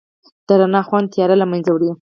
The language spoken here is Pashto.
د رڼا خوند تیاره لمنځه وړي.